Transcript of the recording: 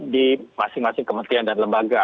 di masing masing kementerian dan lembaga